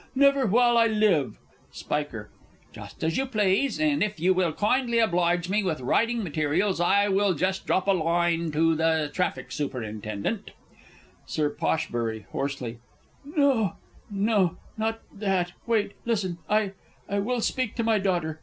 Never while I live! Sp. Just as you please; and, if you will kindly oblige me with writing materials, I will just drop a line to the Traffic Superintendent Sir P. (hoarsely). No, no; not that.... Wait, listen; I I will speak to my daughter.